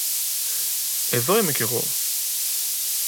Εδώ είμαι κι εγώ!